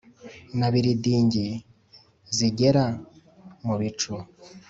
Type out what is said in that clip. na biridingi zigera mu bicu